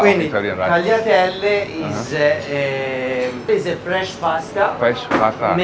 คัลยาเต็ลคือพร้อมของรัฐอิทยาลัย